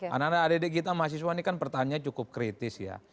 anak anak adik kita mahasiswa ini kan pertanyaannya cukup kritis ya